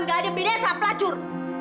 jangan nggak ada bedanya sama pelacur